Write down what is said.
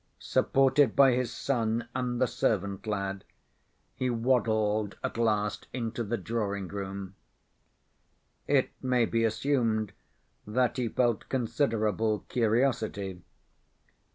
Supported by his son and the servant‐lad, he waddled at last into the drawing‐room. It may be assumed that he felt considerable curiosity.